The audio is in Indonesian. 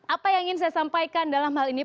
apa yang ingin saya sampaikan dalam hal ini